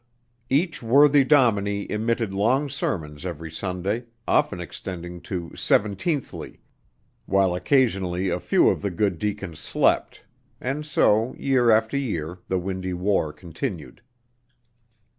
Each worthy dominie emitted long sermons every Sunday, often extending to "seventeenthly," while occasionally a few of the good deacons slept; and so, year after year, the windy war continued.